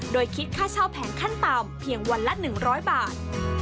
โดยคิดค่าเช่าแผงขั้นต่ำเพียงวันละ๑๐๐บาท